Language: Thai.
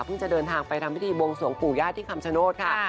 จะเดินทางไปทำพิธีบวงสวงปู่ญาติที่คำชโนธค่ะ